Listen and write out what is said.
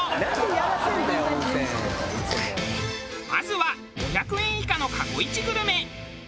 まずは５００円以下の過去イチグルメ。